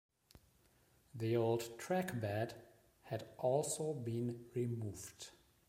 The old trackbed had also been removed.